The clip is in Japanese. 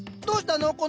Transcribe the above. どうしたの？